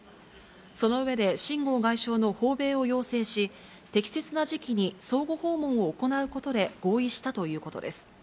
その上で秦剛外相の訪米を要請し、適切な時期に相互訪問を行うことで合意したということです。